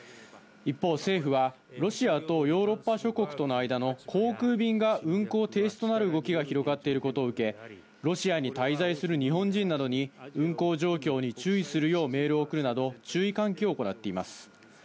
一方、政府はロシアとヨーロッパ諸国との間の航空便が運航停止となる動きが広がっていることを受け、ロシアに滞在する日本人などに、運航状況に注意するようメールを送るなど、注意喚起を行っています。